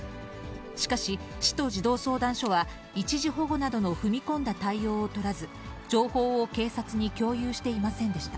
しかし、市と児童相談所は一時保護などの踏み込んだ対応を取らず、情報を警察に共有していませんでした。